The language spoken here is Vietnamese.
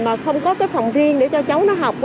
mà không có cái phòng riêng để cho cháu nó học